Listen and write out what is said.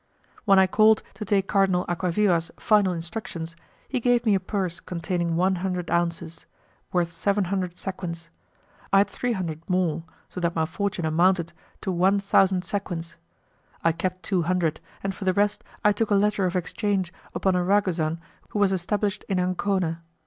When I called to take Cardinal Acquaviva's final instructions he gave me a purse containing one hundred ounces, worth seven hundred sequins. I had three hundred more, so that my fortune amounted to one thousand sequins; I kept two hundred, and for the rest I took a letter of exchange upon a Ragusan who was established in Ancona.